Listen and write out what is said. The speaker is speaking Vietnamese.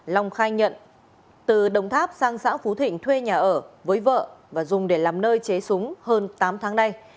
long khai nhận từ đồng tháp sang xã phú thịnh thuê nhà ở với vợ và dùng để làm nơi chế súng hơn tám tháng nay